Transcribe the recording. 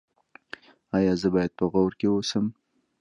ایا زه باید په غور کې اوسم؟